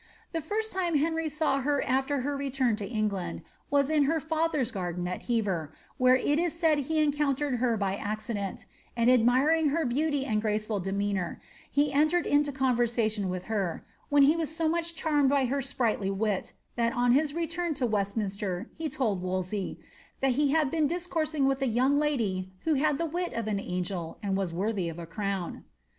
The first time Henry saw her afte lier return to England was in her Other's garden at Hever, where it is said he encountered her by accident, and admiring her beauty and grae&* ful demeanour, he entered into conversation with her, when he was so much charmed with her sprightly wit, that on his return to Westminster he told Wolsey, ^ that he had been discoursing with a young lady who had the wit of an angel, and was worthy of a crown.''